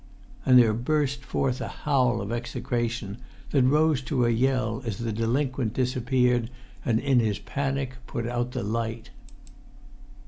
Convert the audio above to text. And there burst forth a howl of execration, that rose to a yell as the delinquent disappeared and in his panic put out the light.